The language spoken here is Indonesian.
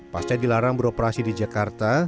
pasca dilarang beroperasi di jakarta